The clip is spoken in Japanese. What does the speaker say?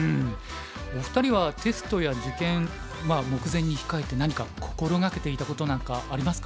お二人はテストや受験まあ目前に控えて何か心がけていたことなんかありますか？